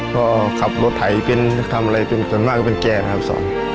ก็ขับรถไถเป็นทำอะไรเป็นส่วนมากก็เป็นแกนนะครับสอน